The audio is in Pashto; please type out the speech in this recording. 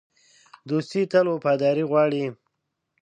دوستي تل وفاداري غواړي.